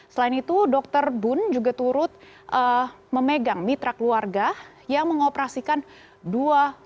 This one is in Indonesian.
selain itu dr bun juga turut memegang mitra keluarga yang mengoperasikan dua puluh lima rumah sakit di indonesia